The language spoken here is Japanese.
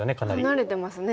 離れてますね。